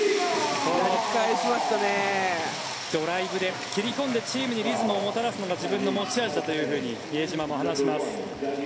ドライブで切り込んでチームにリズムをもたらすのが自分の持ち味だというふうに比江島も話します。